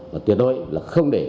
và tuyệt đối là không để